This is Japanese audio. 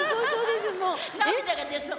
涙が出そう。